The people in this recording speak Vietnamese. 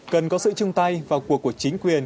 cần có sự chung tay vào cuộc của chính quyền